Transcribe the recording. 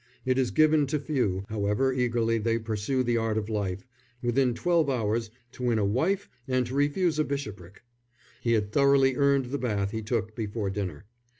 It is given to few, however eagerly they pursue the art of life, within twelve hours to win a wife and to refuse a bishopric. He had thoroughly earned the bath he took before dinner.